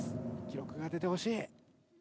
記録が出てほしい。